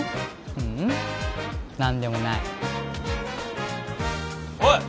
ううん何でもないおい！